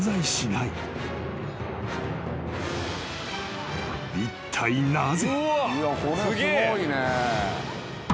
［いったいなぜ？］